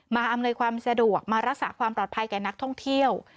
อำนวยความสะดวกมารักษาความปลอดภัยแก่นักท่องเที่ยว